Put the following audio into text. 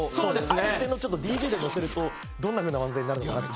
あえてのちょっとＤＪでのせるとどんなふうな漫才になるのかなって